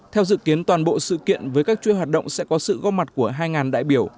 theo dự kiến toàn bộ sự kiện với các chuỗi hoạt động sẽ có sự góp mặt của hai đại biểu